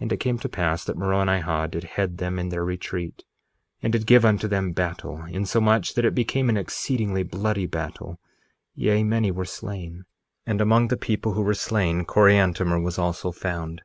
1:30 And it came to pass that Moronihah did head them in their retreat, and did give unto them battle, insomuch that it became an exceedingly bloody battle; yea, many were slain, and among the number who were slain Coriantumr was also found.